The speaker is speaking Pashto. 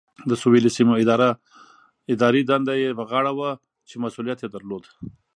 د سویلي سیمو اداري دنده یې په غاړه وه چې مسؤلیت یې درلود.